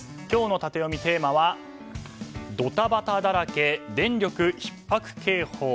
今日のタテヨミ、テーマはドタバタだらけ電力ひっ迫警報。